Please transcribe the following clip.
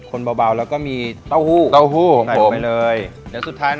คนเบาแล้วก็มีเต้าหู้